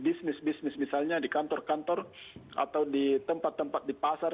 bisnis bisnis misalnya di kantor kantor atau di tempat tempat di pasar